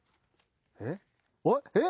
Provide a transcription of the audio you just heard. えっ？